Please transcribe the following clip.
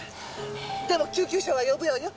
でも救急車は呼ぶわよ。